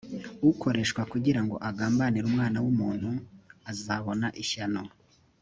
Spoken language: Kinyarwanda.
ukoreshwa kugira ngo agambanire umwana w’ umuntu azabona ishyano.